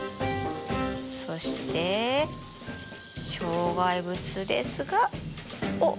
そして障害物ですがおっ！